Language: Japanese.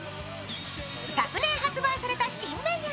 昨年発売された新メニュー。